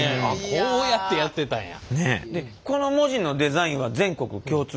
こうやってやってたんや。